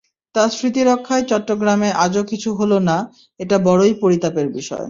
তাঁর স্মৃতি রক্ষায় চট্টগ্রামে আজও কিছু হলো না, এটা বড়ই পরিতাপের বিষয়।